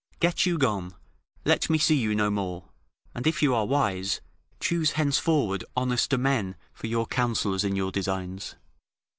] Get you gone; let me see you no more; and, if you are wise, choose henceforward honester men for your counsellors in your designs."